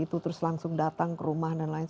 terus langsung datang ke rumah dan lain